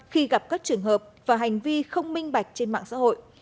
khi gặp các trường hợp và hành vi không minh bạch trên mạng xã hội